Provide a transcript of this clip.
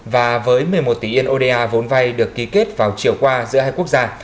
và với một mươi một tỷ yên oda vốn vay được ký kết vào chiều qua giữa hai quốc gia